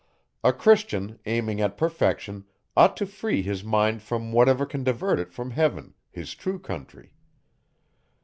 A Christian, aiming at perfection, ought to free his mind from whatever can divert it from heaven, his true country.